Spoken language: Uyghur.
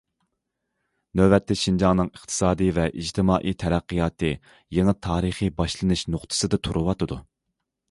نۆۋەتتە، شىنجاڭنىڭ ئىقتىسادىي ۋە ئىجتىمائىي تەرەققىياتى يېڭى تارىخىي باشلىنىش نۇقتىسىدا تۇرۇۋاتىدۇ.